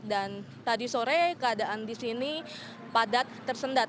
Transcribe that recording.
dan tadi sore keadaan di sini padat tersendat